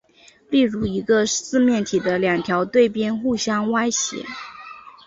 例如一个四面体的两条对边互相歪斜。